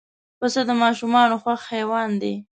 پسه د ماشومانو خوښ حیوان دی.